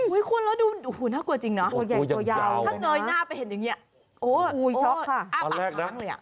อุ๊ยคุณล่ะดูน่ากลัวจริงนะถ้าเนยหน้าไปเห็นอย่างนี้อ้าวปากค้างเลยอันแรกนะ